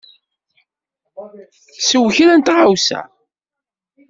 Sew kra n tɣawsa.